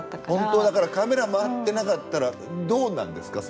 本当はだからカメラ回ってなかったらどうなんですか？